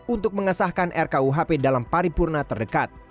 untuk mengesahkan rkuhp dalam paripurna terdekat